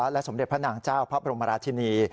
และสมเด็จพระนางเจ้าพระบรมราชินี